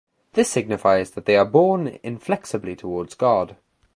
This signifies that they are borne inflexibly towards God.